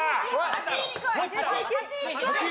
８位こい。